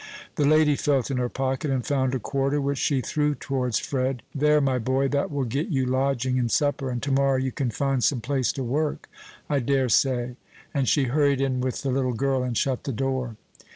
The lady felt in her pocket and found a quarter, which she threw towards Fred. "There, my boy, that will get you lodging and supper, and to morrow you can find some place to work, I dare say;" and she hurried in with the little girl, and shut the door.